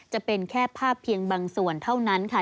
จะเป็นแค่ภาพเพียงบางส่วนเท่านั้นค่ะ